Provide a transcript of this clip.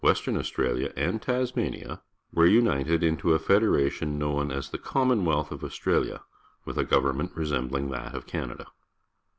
^lmi Australia,^ and Tas»}ania — were united into a federation known as the Commonwealth of Australia, with a government resembUng that of Canada.